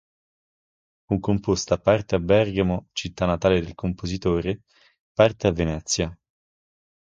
Fu composta parte a Bergamo, città natale del compositore, parte a Venezia.